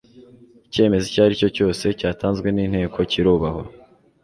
icyemezo icyo aricyo cyose cyatanzwe n'inteko kirubahwa